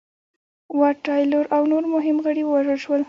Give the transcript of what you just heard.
واټ تایلور او نور مهم غړي ووژل شول.